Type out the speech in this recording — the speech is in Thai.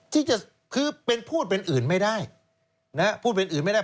ที่จะคือพูดเป็นอื่นไม่ได้